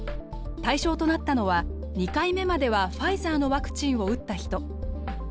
対象となったのは２回目まではファイザーのワクチンを打った人。